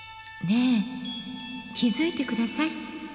ねえ気付いて下さい。